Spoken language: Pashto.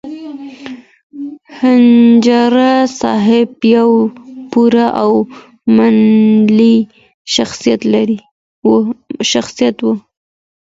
خنجر صاحب یو پوه او منلی شخصیت و.